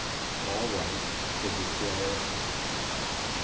"All right," said the Squire.